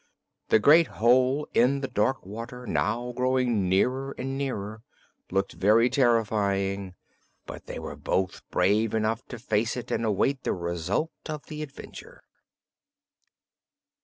The great hole in the dark water now growing nearer and nearer looked very terrifying; but they were both brave enough to face it and await the result of the adventure.